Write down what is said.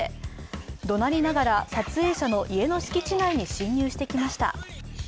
怒鳴りながら撮影者の家の敷地内に侵入してきました。